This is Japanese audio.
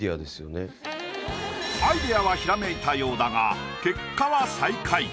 アイディアはひらめいたようだが結果は最下位。